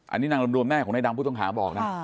อันนี้นางลำรวมแม่ของนายดำผู้ต้องหาบอกนะ